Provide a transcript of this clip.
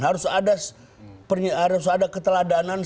harus ada keteladanan